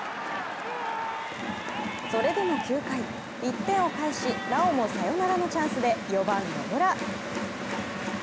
それでも９回、１点を返しなおもサヨナラのチャンスで４番・野村。